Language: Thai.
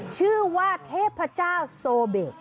ชื่อว่าเทพเจ้าโซเบะ